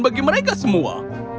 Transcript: bagi mereka semua